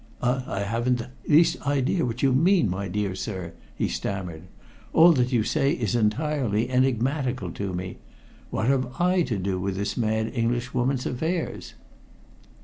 "I haven't the least idea what you mean, my dear sir," he stammered. "All that you say is entirely enigmatical to me. What have I to do with this mad Englishwoman's affairs?"